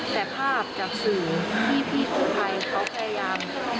แต่ภาพจากสื่อที่พี่กู้ภัยเขาพยายาม